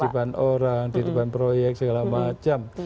titipan orang titipan proyek segala macam